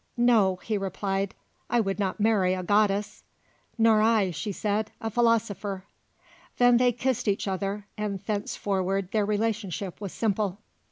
"No," he replied; "I would not marry a goddess." "Nor I," she said, "a philosopher." Then they kissed each other, and thenceforward their relationship was simple.